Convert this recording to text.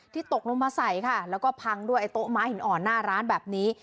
ตกลงมาใส่ค่ะแล้วก็พังด้วยไอโต๊ะม้าหินอ่อนหน้าร้านแบบนี้